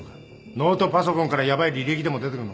ノートパソコンからヤバい履歴でも出てくるのか